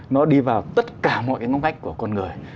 nó đi vào tất cả mọi cái ngóc ngách của con người